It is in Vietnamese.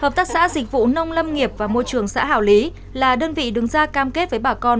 hợp tác xã dịch vụ nông lâm nghiệp và môi trường xã hảo lý là đơn vị đứng ra cam kết với bà con